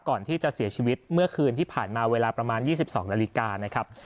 ก่อนที่จะเสียชีวิตเมื่อคืนที่ผ่านมาเวลาประมาณ๒๒นาฬิกานะครับ